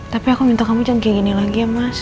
tapi aku minta kamu jangan kayak gini lagi ya mas